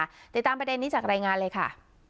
ติดตามประเด็นนี้จากรายงานเลยค่ะ